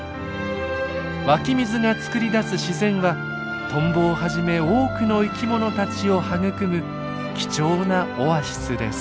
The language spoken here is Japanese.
湧き水がつくり出す自然はトンボをはじめ多くの生き物たちを育む貴重なオアシスです。